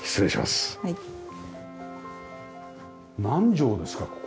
何畳ですか？